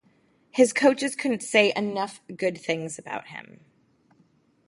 His coaches couldn’t say enough good things about him.